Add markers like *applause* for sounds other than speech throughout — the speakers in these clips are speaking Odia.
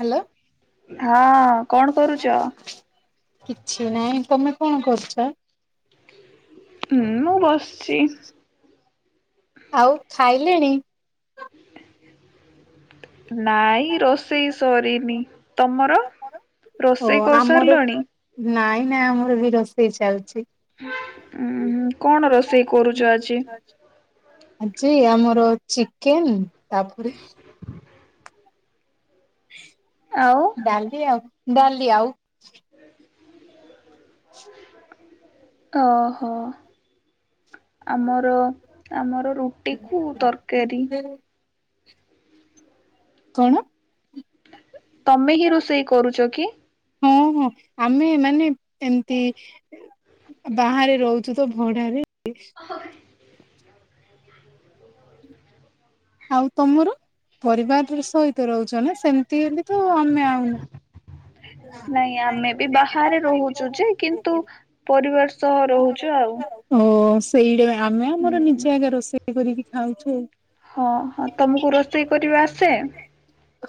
ହାଲୋ। ହଁ କଣ କରୁଚ? କିଛି ନାଇଁ ତମେ କଣ କରୁଛ? ହୁଁ ମୁଁ ବସଚି। ଆଉ ଖାଇଲେଣି? ନାଇଁ ରୋଷେଇ ସରିନି ତମର ଓ ରୋଷେଇ ଆମର କରିସାରିଲଣି? ନାଇଁ ନାଇଁ ଆମର ବି ରୋଷେଇ ଚାଲଛି। ଉଁହୁଁ କଣ ରୋଷେଇ କରୁଚ ଆଜି? ଆଜି ଆମର ଚିକେନ ତାପରେ ଆଉ ଡାଲି ଆଉ ଡାଲି ଆଉ ଓହୋ ଆମର ଆମର ରୁ ଟିକୁୁ ତରକାରୀ। କଣ? ତମେ ହିଁ ରୋଷେଇ କରୁଚ କି? ହଁ ହଁ ଆମେମାନେ ଏମତି ବାହାରେ ରହୁଚୁ ତ ଭଡାରେ। ଓହୋ। ଆଉ ତମର ପରିବାର ସହିତ ରହୁଚ ନା ସେମତି ହେଲେ ତ ଆମେ ଆଉ ନାଇଁ ଆମେ ବି ବାହାରେ ରହୁଚୁ ଯେ କିନ୍ତୁ ପରିବାର ସହ ରହୁଚୁ ଆଉ। ଓ ସେଇଟା ଆମେ ଆମର ହୁଁ ନିଜେ ଆଗେ ରୋଷେଇ କରିକି ଖାଉଛୁ ଆଉ। ହଁ ହଁ ତୁମକୁ ରୋଷେଇ କରିବା ଆସେ।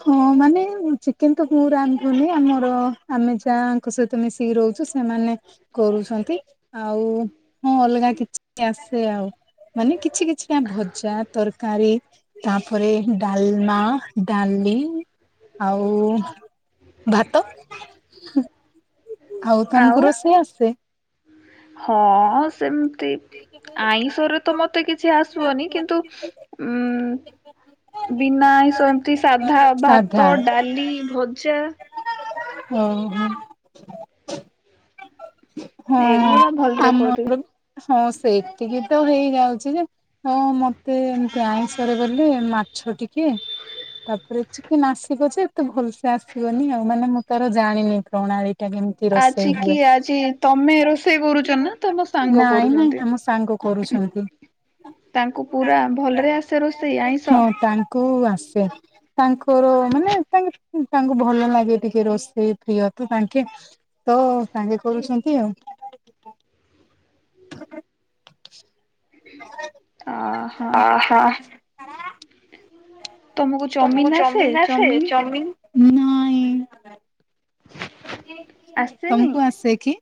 ହଁ ମାନେ ଚିକେନ ତ ତୁ ରାନ୍ଧୁନୁ ଆମ ର ଆମେ ଯାହାଙ୍କ ସହିତ ମିଶିକି ରହୁଚୁ ସେମାନେ କରୁଛନ୍ତି ଆଉ ହଁ ଅଲଗା କିଛି ଆସେ ଆଉ। ମାନେ କିଛି କିଛିଟା ଭଜା ତରକାରୀ ତାପରେ ଡାଲମା ଡାଲି ଆଉ ଭା ଆଉ ତମକୁ ରୋଷେଇ ଆସେ। *inaudible* ହଁ ସେମତି ଆଇଁଷରେ ତ ମତେ କିଛି ଆସିବନି କିନ୍ତୁ ଉଁ ବିନା ଆଇଁଷ ଏମତି ସାଧା, ସାଧା ଭାତ, ଡାଲି, ଭ ଜା ଓହୋ। ହଁ ଏଗୁୁରା ଭଲରେ ଆମର କରିଦେବି। ହଁ ସେତିକି ତ ହେଇଯାଉଚି ଯେ ହଁ ମତେ ଏମତି ଆଇଁଷରେ ଗଲେ ମାଛ ଟିକେ ତାପରେ ଚିକେନ୍ ଆସିବ ଯେ ଏତେ ଭଲସେ ଆସିବ ବନି ଆଉ ମାନେ ମୁଁ ତାର ଜାଣିନି ପ୍ରଣାଳୀଟା କେମ ଆଜି ରୋଷେଇ କି ହୁଏ ଆଜି ତମେ ରୋଷେଇ କରୁଛ ନା ତମ ସାଙ୍ଗ ନାଇଁ ନାଇଁ କରୁଛନ୍ତି ଆମ ସାଙ୍ଗ। କରୁଛନ୍ତି। ତାଙ୍କୁ ପୁରା ଭଲରେ ଆସେ ରୋଷେଇ ଆଇଁଷ? କୁ ଆସେ ତାଙ୍କର ମାନେ ତାଙ୍କ ଭଲ ଲାଗେ ଟିକେ ରୋଷେଇ ପ୍ରିୟ ତ ତାଙ୍କେ ତ ସାଙ୍ଗେ କରୁଛନ୍ତି ଆଉ। *inaudible* ଅହୋ ଓ ହୋ। ତମକୁ ଚଉମିନ ଆସେ ଚଉମିନ୍ ହଁ। ଆସେନି ତମକୁ ଆସେ କି?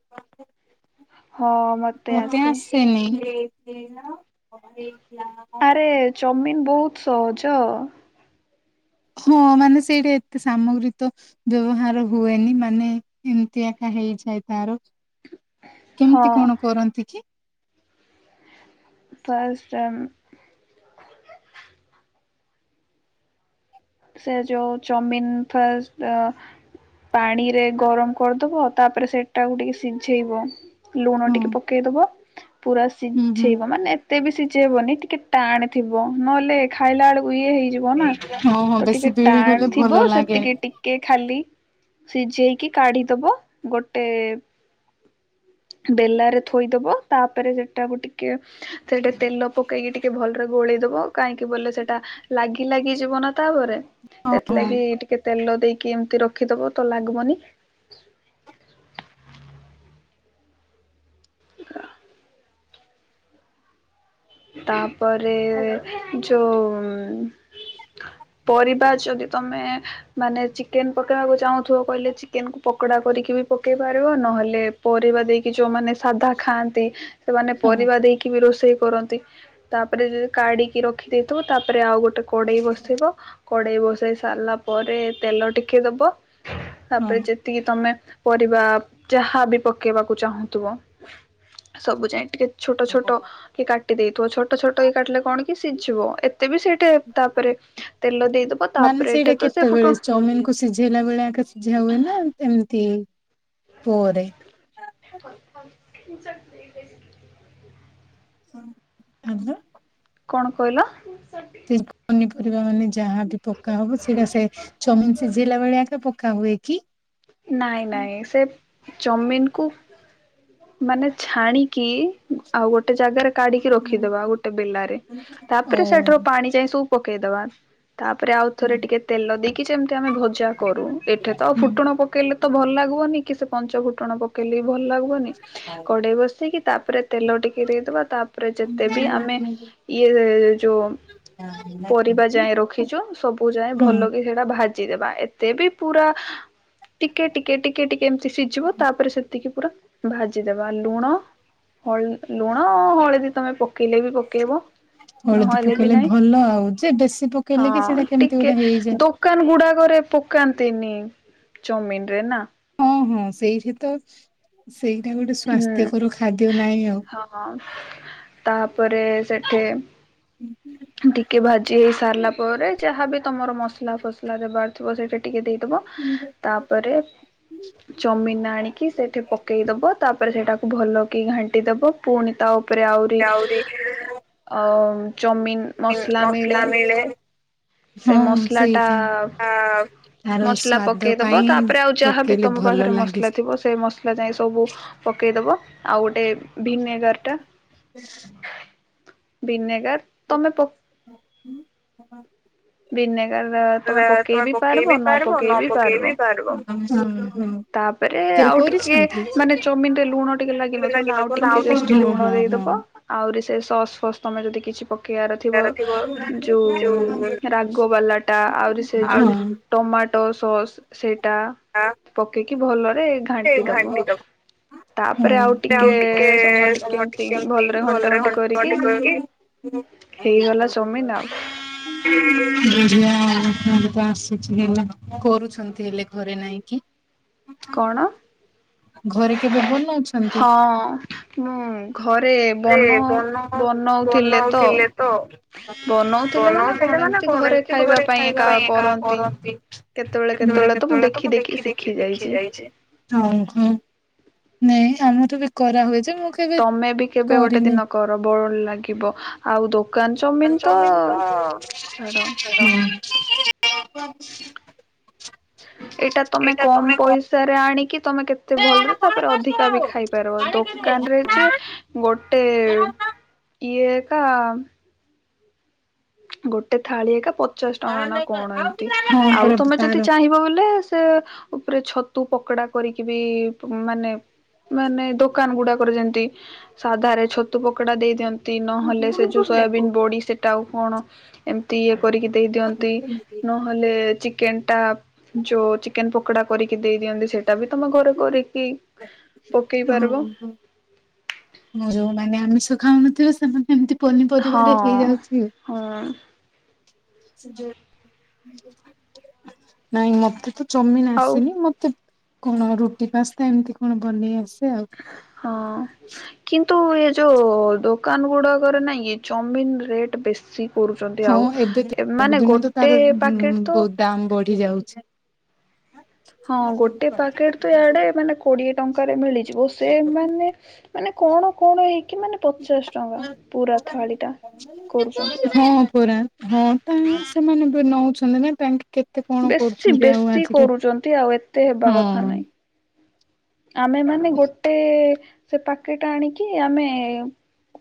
ହଁ ମତେ ଆସେ ଆସେନି କି ଆରେ ଚଉମିନ ବହୁତ୍ ସହଜ। ହଁ ମାନେ ସେଇଟା ଏତେ ସାମଗ୍ରୀ ତ ବ୍ୟବହାର ହୁଏନି ମାନେ ଏମିତି ଏକା ହେଇଯାଏ ତାର। ହଁ କେମିତି କଣ କରନ୍ତି କି? ଫାଷ୍ଟ ଆ ସେ ଯୋଉ ଚଉମିନ୍ ଫାଷ୍ଟ୍ ଆ ପାଣିରେ ଗରମ କରିଦବ ତାପରେ ସେଟାକୁ ଟିକେ ସିଝେଇବ। ଲୁଣ ହଁ ଟିକେ ପକେଇଦବ ପୁରା ହୁଁ ହୁଁ। ସିଝେଇବ ମାନେ ଏତେ ବି ସିଝେଇବନି ଟିକେ ଟାଣେ ଥିବ ନହେଲେ ଖାଇଲା ବେଳକୁ ଇଏ ହେଇଯିବ ନା। ହଁ ହଁ ତ ଟିକେ ବେଶୀ ବିଳି ଟାଣ ଗଲେ ଥିବ ଭଲ ଲାଗେନି। ସେତିକି ଟି ଟିକେ ଖାଲି ସିଝେଇକି କାଢି଼ଦବ ଗୋଟେ ଗୋଟେ ବେଲା ରେ ଥୋଇଦବ ତାପରେ ସେଟାକୁ ଟିକେ ସେଟା ତେଲ ପକେଇକି ଟିକେ ଭଲରେ ଗୋଳେଇଦବ କାହିଁକି ବୋଲେ ସେଟା ଲାଗି ଲାଗି ଯିବ ନା ତାପରେ। ହଁ ସେଥିଲାଗି ଟିକେ ତେଲ ଦେଇକି ଏମିତି ରଖିଦବ ତ ଲାଗିବନି। ତାପରେ ଯୋଉ ପରିବା ଯଦି ତମେ ମାନେ ଚିକେନ୍ ପକେଇବାକୁ ଚାହୁଁଥିବ କହିଲେ ଚିକେନ୍ ପକୋଡା କରିକି ବି ପକେଇ ପାରିବ ନହେଲେ ପରିବା ଦେଇକି ଯୋଉମାନେ ସାଧା ଖାଆନ୍ତି ସେମାନେ ହଁ। ପରିବା ଦେଇକି ବି ରୋଷେଇ କରନ୍ତି। ତାପରେ ଯଦି କାଢି଼କି ରଖିଦେଇଥିବ ତାପରେ ଆଉ ଗୋଟେ କଡ଼େଇ ବସିବ। କଡେଇ ବସେଇ ସାରିଲା ପରେ ତେଲ ଟିକେ ଦବ ତାପରେ ଯେ ହଁ ଯେତିକି ତମେ ପରିବା ଯାହା ବି ପକେଇବାକୁ ଚାହୁଁଥିବ। ସବୁ ଯାଏ ଟିକେ ଛୋଟ ଛୋଟ ହଁ। କି କା ଛୋଟ ଛୋଟ ହେଇ କାଟିଲେ କଣ କି ସିଝିବ ଏତେ ବି ସେଇଠେ ତାପରେ ତେଲ ଦେଇଦବ ମାନେ ତାପରେ ଏଠି ସେଇଟା ତ ସେ କେତେବେଳେ ଫୁଟଣ ଚାଉମିନ୍ କୁ ସିଝେଇଲା ବେଳେ *unintelligible* ସିଝା ହୁଏ ନା। ଏମିତି ପୁଅରେ। *unintelligible* ହ୍ୟାଲୋ। କଣ କହିଲ? *unintelligible* ପନିପରିବା ମାନେ ଯାହାବି ପକା ହବ ସେଇଟା ସେ ଚଉମିନ ସିଝେଇଲା ବେଳେଆ ପକା ହୁଏ କି? ନାଇଁ ନାଇଁ ସେ ଚମିନ୍ କୁ ମାନେ ଛାଣିକି ଆଉ ଗୋଟେ ଜାଗାରେ କାଢି଼କି ରଖିଦବା ଗୋଟେ ବେଲାରେ ଓ ତାପରେ ସେଠାରୁ ପାଣି ଯାଇ ସବୁ ପକେଇଦବା। ତାପରେ ଆଉ ଥରେ ଟିକେ ତେଲ ଦେଇକି ଯେମିତି ଆମେ ଭଜା କରୁ ଏଠେ ତ ଆଉ ହୁଁ। ଫୁଟୁଣ ପକେଇଲେ ତ ଭଲ ଲାଗିବନି କି ସେ ପଞ୍ଚ ଫୁଟଣ ପକେଇଲେ ବି ଭଲ ଲାଗିବନି କଡେଇ ବସେଇିକ ତାପରେ ତେଲ ଟିକେ ଦେଇଦବା ତାପରେ ଯେତେ ବି ଆମେ ଇଏ ଯୋଉ ପରିବା ଯାଏଁ ରଖିଛୁ ସବୁ ଯାଏଁ ହଁ ଭଲ କି ସେଟା ଭାଜି ଦେବା ଏତେ ବି ପୁରା ଟିକେ ଟିକେ ଟିକେ ଟିକେ ଏମିତି ସିଝିବ ତାପରେ ସେତିକି ପୁରା ଭାଜିଦବା ଲୁଣ ହଳ ଲୁଣ ହଳଦୀ ତମେ ପକେଇଲେ ବି କେବ ହଳଦୀ ନହେଲେ ବି ପକେଇଲେ ନାଇଁ ଭଲ ଆଉ ଯେ ବେଶୀ ପକେଇଲେ କି ସେଇଟା ହଁ କେମିତି ଟିକେ। ଗୋଟେ ହେଇଯାଏ। କାନ ଗୁଡାକରେ ପକାନ୍ତିନି ଚମିନ ରେ ନା। ହଁ ହଁ ସେଇଠି ତ ସେଇଟା ଗୋଟେ ହୁଁ ସ୍ଵାସ୍ଥ୍ୟକର ଖାଦ୍ୟ ନାହିଁ ଆଉ। ହଁ ତାପରେ ସେଠି ଟିକେ ଭାଜି ହେଇ ସାରିଲା ପରେ ଯାହାବି ତମର ମସଲା ଫସ ଲାରେ ବାରଥିବ ସେଇଟା ଟିକେ ଦେଇଦବ ତାପରେ ଚଅମିିନ ଆଣିକି ସେଇଠି ପକେଇଦବ। ତାପରେ ସେଟାକୁ ଭଲ କି ଘାଣ୍ଟି ଦବ ପୁଣି ତା ଉପରେ ଆହୁରି ଆ ଚଉମିନ ମସଲା ମିଳେ। ସେ ହଁ ମସଲା ଟା ସେଇଟା। ଆ ତାର ମସଲା ସ୍ଵାଦ ପକେଇଦବ ପାଇଁ ତାପରେ ଆଉ ଯାହାବି ପକେଇଲେ ତମ ଭଲ ପାଖରେ ଲାଗେ ମସଲା ଥିବ ସେ ମସଲା ଯାଇ ସବୁ ପକେଇଦବ ଆଉ ଗୋଟେ ଭିନେଗାର ଟା *inaudible* ଭିନେଗାର ତମେ ପ ଭିନେଗାର ତମେ ପକେଇ ବି ପାରବ ନ ପକେଇ ବି ପାରବ। ତାପରେ କେବେ ଆଉ ଟିକେ କରିଛନ୍ତି? ମାନେ ଚଉମିନରେ ଲୁଣ ଟିକେ ଲାଗି ନଥିବ ନା ହଁ ଆଉ ଟିକେ ଜଷ୍ଟ ଲୁଣ ହଁ ହଁ। ଦେଇଦବ। ଆହୁରି ସେ ସସ୍ ଫସ୍ ତମେ ଯଦି କିଛି ପ ଇଆର ଥିବ ଯୋଉ ରାଗବାଲା ଟା ଆହୁରି ସେ ଯୋଉ ଆଉ ଟମାଟୋ ସସ୍ ସେଟା ପକେଇକି ଭଲରେ ଘାଣ୍ଟି ଦବ। ହୁଁ ଆଉ ଟିକେ ସମୟ ଟିକେ ସମ ଟ ଏମତି କେମତି ଘଣ୍ଟା ଭଲରେ ଘଣ୍ଟି *unintelligible* କରିକି ହେଇଗଲା ଚମିନ ଆଉ *unintelligible* କିଛି ହେଲା କରୁଛନ୍ତି ହେଲେ ଘରେ ନାହିଁ କି। କଣ? ଘରେ କେବେ ବନଉଛନ୍ତି? ହଁ ମୁଁ ଘରେ ସେ ବନ ବନଉ ବନଉଥିଲେ ତ ବନଉଥିଲେ ମାନେ କଣ ଏମିତି ଘରେ ଖାଇବା ପାଇଁ ଏକା କରନ୍ତି। କେତେବେଳେ କେତେବେଳେ ତ ମୁଁ ଦେଖି ଦେଖି ଶିଖି ଯାଇଛି। ହଁ ହୁଁ। ନାଇଁ ଆମଠୁ ବି କରାହୁଯେ ମୁଁ କେବେ ତମେ ବି କେବେ ଗୋଟେ କରିନି। ଦିନ କର ବଳ ଲାଗିବ ଆଉ ଦୋ କାନ୍ ଚାଉମିନ୍ ତ ଛାଡ଼। ହଁ। ଏଇଟା ତମେ କମ ପଇସାରେ ଆଣିକି ତମେ କେତେ ଭଲରେ ତାପରେ ଅଧିକା ବି ହଁ ଖାଇପାରିବ କାନ ରହିଛି ଗୋଟେ ଇଏ ଏକା ଗୋଟେ ଥାଳି ଏକ ପ ପଚାଶ ଟଙ୍କା ନା କଣ ଏମିତି ଆଉ ପରା ତମେ ଯଦି ତାର ଚାହିଁବ ବୋଲେ ସେ ଉପରେ ଛତୁ ପକଡା କରିକି ବି ମାନେ ମାନେ ଦୋକାନ ଗୁଡାକରେ ଯେମତି ସାଧାରେ ଛତୁ ପକୋଡା ଦେଇ ଦିଅନ୍ତି। ଦ ନହେଲେ ସେ ଯେଉଁ ସୋୟାବିନ୍ ବୋଡ଼ି ସେଇଟା ଆଉ କଣ? ଏମିତି ଇଏ କରିକି ଦେଇ ଦିଅନ୍ତି। ନହେଲେ ଚିକେନ୍ ଟା ଯୋଉ ଚିକେନ୍ ପ କଡ଼ା କରିକି ଦେଇ ଦିଅନ୍ତି। ସେଇଟା ବି ତମ ଘରେ କରିକି ପକେଇ ପାରିବ ଓହୋ। ଯୋଉମାନେ ଆମିଷ ଖାଉନଥିବେ ସେମାନେ ଏମିତି ହଁ ପନିପରିବାରେ ହେଇଯାଉଥିବେ। ଉଁ ନାଇଁ ମତେ ତ ଚମିନ୍ ଆଉ ଆସେନି। ମତେ କଣ ରୁଟି ପାସ୍ତା ଏମିତି କଣ ବନେଇ ଆସେ ଆଉ। ହଁ। କିନ୍ତୁ ଏ ଯୋଉ ଦୋକାନ ଗୁଡ଼ାକରେ ନାଇକି ଚମିନ୍ ରେଟ୍ ବେଶୀ। କରୁଛନ୍ତି ହଁ ଆଉ। ଏବେ ମାନେ ଗୋଟେ ପ୍ୟାକେଟ ତ ଦାମ୍ ବଢି଼ ଯାଉଛି। ହଁ ଗୋଟେ ପାକେଟ ତ ଇଆଡ଼େ ମାନେ କୋଡି଼ଏ ଟଙ୍କାରେ ମିଳିଯିବ। ସେ ମାନେ ମାନେ କଣ କଣ ହେଇକି ମାନେ ପଚାଶ ଟଙ୍କା ପୁରା ଥାଳିଟା କରୁଛନ୍ତି। ହଁ ପରା। ହଁ ତା ସେମାନେ ବି ନଉଛନ୍ତି ନା ତାଙ୍କେ କେତେ କଣ ବେଶୀ କରୁଛନ୍ତି ଆଉ ବେଶୀ ଆଜିକାଲି କରୁଛନ୍ତି ଆଉ ଏତେ ହେବା ହଁ। କଥା ନାହିଁ। ଆମେ ମାନେ ଗୋଟେ ସେ ପାକେଟ ଆଣିକି ଆମେ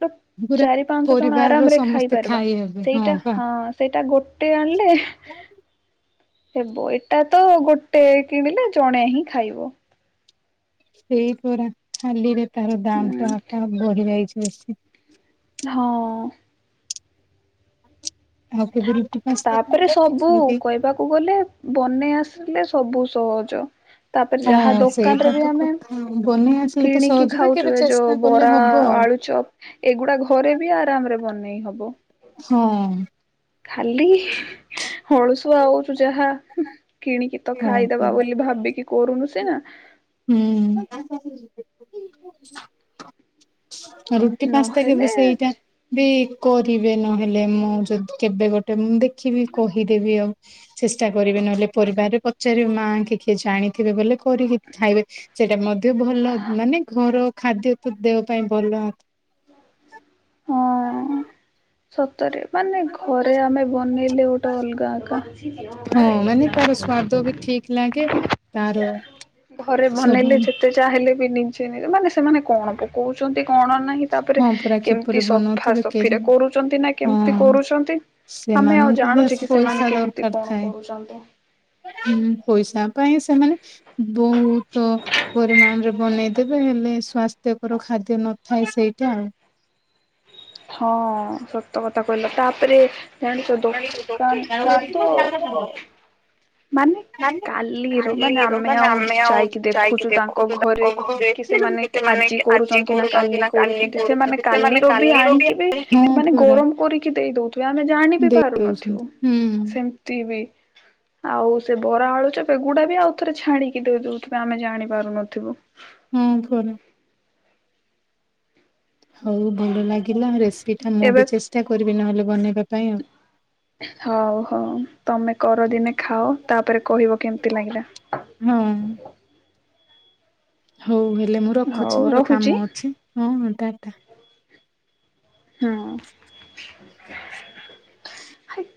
ଗୋଟେ ପୁରା ଚାରି ପାଞ୍ଚଶ ଜଣ ପରିବାରର ଆରାମ ରେ ସମସ୍ତେ ଖାଇପାରିବା। ଖାଇ ହେବେ ସେଇଟା ବା ହଁ। ସେଇଟା ଗୋଟେ ଆଣିଲେ ହେବ ଏଇଟା ତ ଗୋଟେ କିଣିଲେ ଜଣେ ହିଁ ଖାଇବ। ସେଇ ପରା ଖାଲିରେ ତାର ଦାମ୍ ହୁଁ ଟା ଆ ବଢି଼ ଯାଇଛି ବେଶୀ। ହଁ। ଆଉ କେବେ ରୁଟି ପାସ୍ତା କଣ ତାପରେ ସବୁ ବନେଇଛନ୍ତି? କହିବାକୁ ଗଲେ ବନେଇ ଆସିଲେ ସବୁ ସହଜ। ତାପରେ ହଁ ଯାହା ସେଇଟା ଦୋକାନରେ ବି ତ ଆମେ କଥା ବନେଇ ଆସିଲେ ତ କିଣିକି ସହଜ ଯେ କେବେ ଖାଉଛୁ ଏ ଯୋଉ ଚେଷ୍ଟା କଲେ ବରା ହବ ଆଉ। ଆଳୁ ଚପ୍। ଏଗୁଡ଼ା ଘରେ ବି ଆରାମ୍ ରେ ବନେଇ ହବ। ହଁ। ଖାଲି ହଳସୁଆ ଆଉଛୁ ଯାହା କିଣିକି ତ ହଁ ଖାଇଦବା ପରା। ବୋଲି ଭାବିକି କରୁନୁ ସିନା। ହୁଁ। ରୁଟି ପାସ୍ତା କେବେ ନହେଲେ ସେଇଟା ବି କରିବେ ନହେଲେ ମୁଁ ଯଦି କେବେ ଗୋଟେ ମୁଁ ଦେଖିବି କହିଦେବି ଆଉ। ଚେଷ୍ଟା କରିବେ ନହେଲେ ପରିବାରରେ ପଚାରିବେ ମାଆ ଆଙ୍କେ କିଏ ଜାଣିଥିବେ ବ କରିକି ଖାଇବେ। ସେଇଟା ମଧ୍ୟ ଭଲ ମାନେ ଘର ଖାଦ୍ୟ ତ ଦେହ ପାଇଁ ଭଲ। ହଁ। ସତରେ ମାନେ ଘରେ ଆମେ ବନେଇଲେ ଗୋଟେ ଅଲଗା ଆକା। ହଁ ମାନେ ତାର ସ୍ଵାଦ ବି ଠିକ୍ ଲାଗେ। ତାର ଘରେ ସବୁ ବନେଇଲେ ଯେତେ ଯାହା ହେଲେ ବି ନିଜେ ମାନେ ସେମାନେ କଣ ପକ କଉଛନ୍ତି କଣ ନାହିଁ? ତାପରେ ହଁ ପରା କେମିତି କିପରି ବନଉଥିବେ ସଫାସଫିରେ କେଜାଣି ନା କେମତି ହଁ। କରୁଛନ୍ତି ଆମେ ଆଉ ସେମାନଙ୍କୁ ବାସ୍ ଜାଣୁଛେ କି ସେମାନେ ପଇସା କେମିତି ଦରକାର କଣ ଥାଏ କରୁଛନ୍ତି? ହୁଁ ପଇସା ପାଇଁ ସେମାନେ ବହୁତ ପରିମାଣରେ ବନେଇଦେବେ ହେଲେ ସ୍ଵାସ୍ଥ୍ୟକର ଖାଦ୍ୟ ନ ଥାଉ ସେଇଟା ଆଉ। ହଁ ସତ କଥା କହିଲ। ତାପରେ ଜାଣିଛ ଦୋକାନରେ ତ ମାନେ କାଲିର ମାନେ ଆମେ ଆଉ ଯାଇକି ଦେଖୁଛୁ ତାଙ୍କ ଘରେ କି ସେମାନେ ଆଜି କରୁଛନ୍ତି ନା କାଲି କରୁଛନ୍ତି ସେମାନେ କାଲିରୁ ବି ଆଣିକି ବି ମାନେ ଗରମ କରିକି ଦେଇ ଦଉଥିବେ ଆମେ ଜାଣି ବି ଦେଇ ପାରୁନଥିବୁ ଦଉଛନ୍ତି ହୁଁ ସେମିତି ବି ଆଉ ସେ ବରା ଆଳୁ ଚପ ଏଗୁଡା ବି ଆଉ ଥରେ ଛାଣିକି ଦେଇ ଦଉଥିବେ ଆମେ ଜାଣି ପାରୁନଥିବୁ? ହୁଁ ପରେ ହଉ ଭଲ ଲାଗିଲା ରେସିପି ଟା ମୁଁ ଏବେ ବି ଚେଷ୍ଟା କରିବି ନହେଲେ ବନେଇବା ପାଇଁ ଆଉ ହଉ ହଉ ତମେ କରଦିନେ ଖାଅ ତାପରେ କହିବ କେମିତି ଲାଗିଲା? ହଁ। ହଉ ହେଲେ ମୁଁ ହଉ ରଖୁଛି ମୋର କାମ ରହୁଛି। ଅଛି ହଁ ଟା ଟା। ହୁଁ।